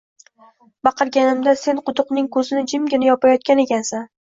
Baqirganimda sen quduqning ko’zini jimgina yopayotgan ekansan.